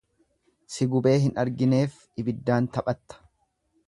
Si gubee hin argineef ibiddaan taphatta.